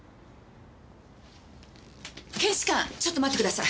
検視官ちょっと待ってください。